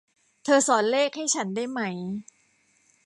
เธอสอนเลขให้ฉันได้ไหม